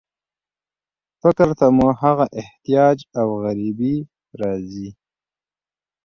فکر ته مو هغه احتیاج او غریبي راځي.